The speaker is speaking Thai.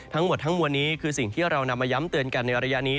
ทั้งหมดทั้งมวลนี้คือสิ่งที่เรานำมาย้ำเตือนกันในระยะนี้